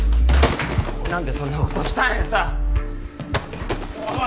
何でそんなことをしたんやさおい！